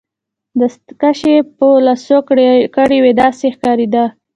دستکشې يې په لاسو کړي وې، داسې یې ښکاریده.